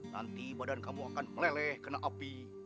nanti badan kamu akan meleleh kena api